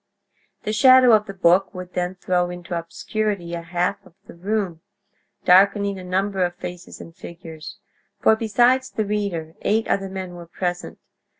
The shadow of the book would then throw into obscurity a half of the room, darkening a number of faces and figures; for besides the reader, eight other men were present.